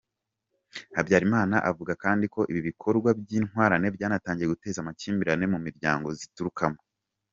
Habyarimana avuga kandi ko ibi bikorwa by’Intwarane byanatangiye guteza amakimbirane mu miryango ziturukamo.